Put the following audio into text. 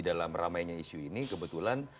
dalam ramainya isu ini kebetulan